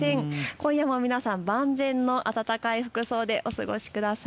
今夜も皆さん、万全の暖かい服装でお過ごしください。